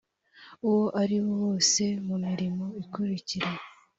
uwo ariwo wose mu mirimo ikurikira